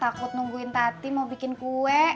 takut nungguin tati mau bikin kue